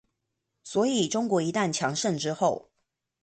所以中國一旦強盛之後